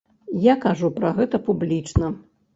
Я кажу пра гэта публічна.